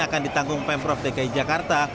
akan ditanggung pemprov dki jakarta